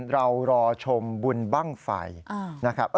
รอชมบุญบ้างไฟนะครับ